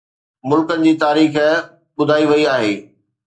ملڪن جي تاريخ ٻڌائي وئي آهي